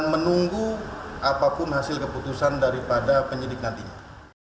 menunggu apapun hasil keputusan daripada penyidik nantinya